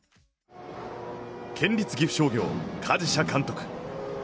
県立岐阜商業・鍛治舍監督。